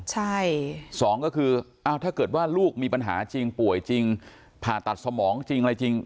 ใช่สองก็คืออ้าวถ้าเกิดว่าลูกมีปัญหาจริงป่วยจริงผ่าตัดสมองจริงอะไรจริง